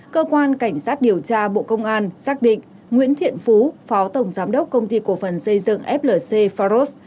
cơ quan cảnh sát điều tra bộ công an xác định nguyễn thiện phú phó tổng giám đốc công ty cổ phần xây dựng flc faros